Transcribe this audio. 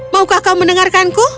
maukah kau mendengarkanku